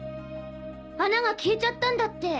穴が消えちゃったんだって。